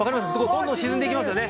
どんどん沈んでいきますよね。